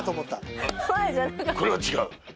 これは違う。